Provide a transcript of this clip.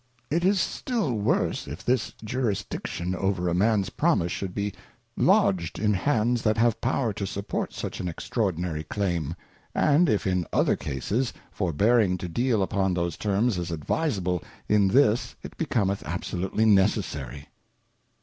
It is still worse if l^his Jurisdiction over a Man's Promise, should be lodg'd in hands that have Power to support such an extraordinary Claim ; and if in other Cases, forbearing to deal upon those terms is advisable, in this it becometh absolutely necessary.